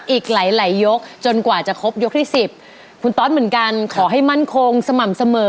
อีกหลายยกจนกว่าจะครบยกที่๑๐คุณตอสเหมือนกันขอให้มั่นคงสม่ำเสมอ